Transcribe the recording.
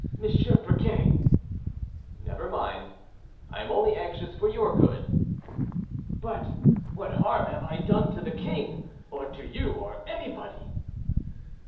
Briquet—" "Never mind; I am only anxious for your good." "But what harm have I done to the king, or to you, or anybody?"